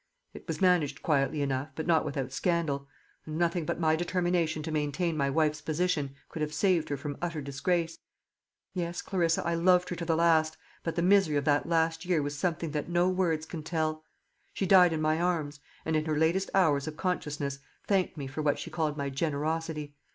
It was managed quietly enough, but not without scandal; and nothing but my determination to maintain my wife's position could have saved her from utter disgrace. Yes, Clarissa, I loved her to the last, but the misery of that last year was something that no words can tell. She died in my arms, and in her latest hours of consciousness thanked me for what she called my generosity.